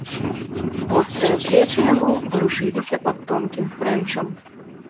Вострыя плечы яго варушыліся пад тонкім фрэнчам.